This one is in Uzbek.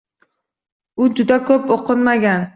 U juda ko‘p o‘qimagan.